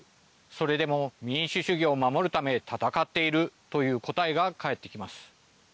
それでも民主主義を守るため戦っているという答えが返ってきます。